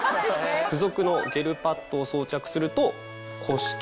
付属のゲルパッドを装着すると。